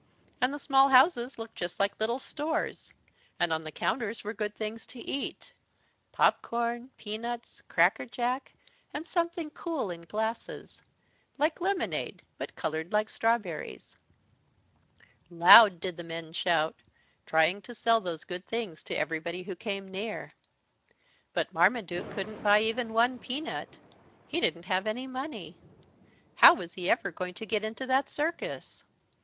And the small houses looked just like little stores, and on the counters were good things to eat, popcorn, peanuts, cracker jack, and something cool in glasses, like lemonade but coloured like strawberries. Loud did the men shout, trying to sell those good things to everybody who came near. But Marmaduke couldn't buy even one peanut. He didn't have any money. How was he ever going to get into that circus!